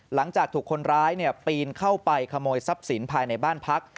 หลังจากถูกคนร้ายปีนเข้าไปขโมยทรัพย์สินภายในบ้านพัก